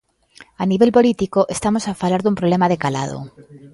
A nivel político estamos a falar dun problema de calado.